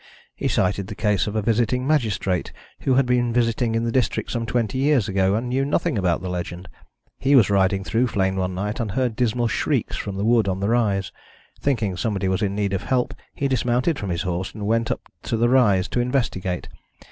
He cited the case of a visiting magistrate, who had been visiting in the district some twenty years ago, and knew nothing about the legend. He was riding through Flegne one night, and heard dismal shrieks from the wood on the rise. Thinking somebody was in need of help, he dismounted from his horse, and went up to the rise to investigate.